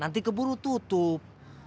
nanti keburu tutup